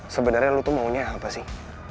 sebenarnya lu tuh maunya apa sih